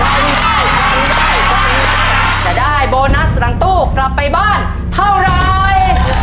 จะได้โบนัสหลังตู้กลับไปบ้านเท่าไร